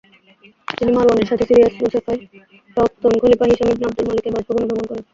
তিনি মারওয়ানের সাথে সিরিয়ার রুসাফায় প্রাক্তন খলিফা হিশাম ইবনে আবদুল মালিকের বাসভবনে ভ্রমণ করেন।